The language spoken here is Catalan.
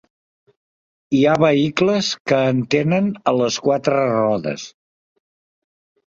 Hi ha vehicles que en tenen a les quatre rodes.